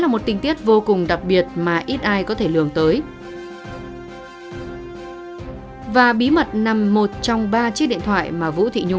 mối quan hệ cũ của mình